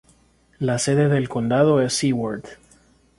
La sede del condado es Seward.